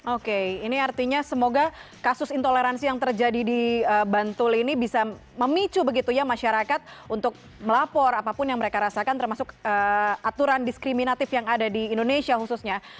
oke ini artinya semoga kasus intoleransi yang terjadi di bantul ini bisa memicu begitu ya masyarakat untuk melapor apapun yang mereka rasakan termasuk aturan diskriminatif yang ada di indonesia khususnya